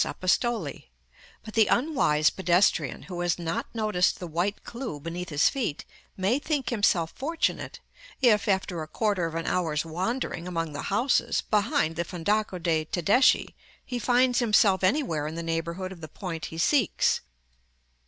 Apostoli; but the unwise pedestrian, who has not noticed the white clue beneath his feet, may think himself fortunate, if, after a quarter of an hour's wandering among the houses behind the Fondaco de' Tedeschi, he finds himself anywhere in the neighborhood of the point he seeks.